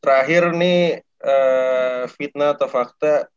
terakhir nih fitnah atau fakta